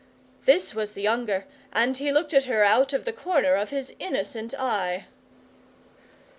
This was the younger, and he looked at her out of the corner of his innocent eye.